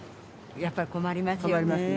やっぱり困りますよね。